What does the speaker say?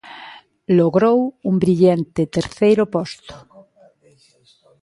Logrou un brillante terceiro posto.